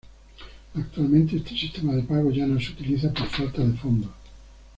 Actualmente este sistema de pago ya no se utiliza por falta de fondos.